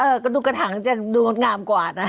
เออก็ดูกระถางจะดูงามกว่านะ